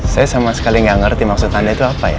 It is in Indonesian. saya sama sekali gak ngerti maksud anda itu apa